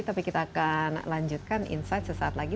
tapi kita akan lanjutkan insight sesaat lagi